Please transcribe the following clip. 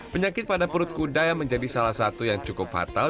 penyakit pada perut kuda yang menjadi salah satu yang cukup fatal